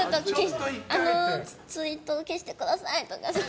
ツイートを消してください！とか。